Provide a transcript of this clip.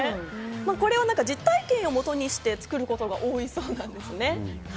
これを実体験をもとにして作ることが多いそうなんですね。